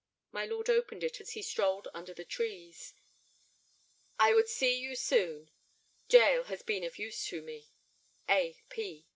My lord opened it as he strolled under the trees. "I would see you soon. Jael has been of use to me." "A.